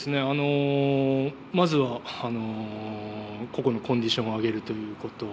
まずは個々のコンディションを上げるということ。